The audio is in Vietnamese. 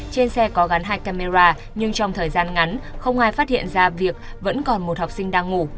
trên xe có gắn hai camera nhưng trong thời gian ngắn không ai phát hiện ra việc vẫn còn một học sinh đang ngủ